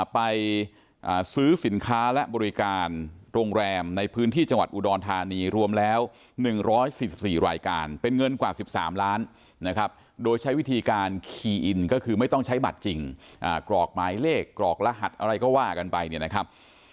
ไปซื้อสินค้าและบริการโรงแรมในพื้นที่จังหวัดอุดรธานีรวมแล้ว๑๔๔รายการเป็นเงินกว่า๑๓ล้านนะครับโดยใช้วิธีการคีย์อินก็คือไม่ต้องใช้บัตรจริงกรอกหมายเลขกรกรหัสอะไรก็ว่ากันไปเนี่ยนะครับ